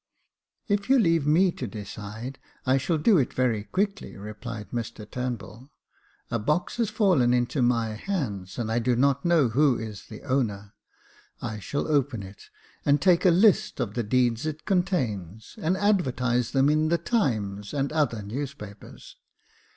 " If you leave me to decide, I shall do it very quickly," replied Mr Turnbull. " A box has fallen into my hands, and I do not know who is the owner. I shall open it, and take a list of the deeds it contains, and advertise them in the Times and other newspapers.